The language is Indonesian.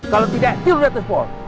kalau tidak tidur luar terus pos